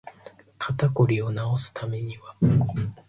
肩こりを治すためには